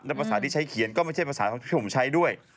และภาษาที่ใช้เขียนก็ไม่ใช่ภาษาที่ผมใช้ด้วย